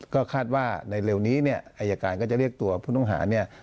ก็คาดว่าในเร็วนี้เนี่ยอายการก็จะเรียกตัวผู้ต้องหาเนี่ย